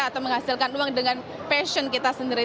atau menghasilkan uang dengan passion kita sendiri